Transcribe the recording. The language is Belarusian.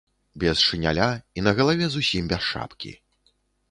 Без шыняля і на галаве зусім без шапкі.